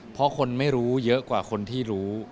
เพราะคนไม่รู้เยอะกว่าคนที่รู้